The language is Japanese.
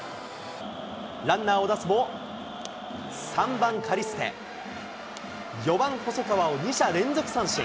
ランナーを出すも、３番・カリステ、４番・細川を２者連続三振。